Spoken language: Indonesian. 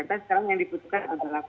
kita sekarang yang dibutuhkan adalah